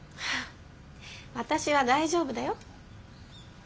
私は大丈夫だよ。